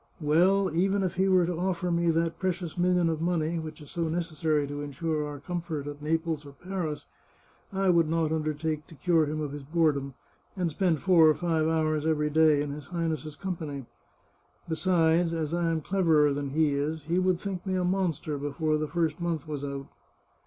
Well, even if he were to oflfer me that pre cious million of money, which is so necessary to insure our comfort at Naples or Paris, I would not undertake to cure him of his boredom, and spend four or five hours every day in his Highness's company. Besides, as I am cleverer than he is, he would think me a monster before the first month was out.